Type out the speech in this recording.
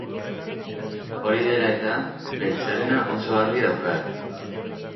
Hori dela eta, beltzarena oso argi daukat.